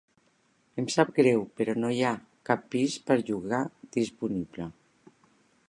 Em sap greu, però no hi ha cap pis per llogar disponible.